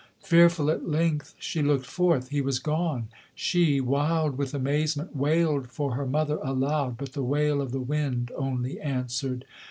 Fearful at length she looked forth: he was gone: she, wild with amazement, Wailed for her mother aloud: but the wail of the wind only answered.